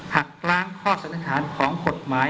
หักกล้างข้อสถานการณ์ของกฎหมาย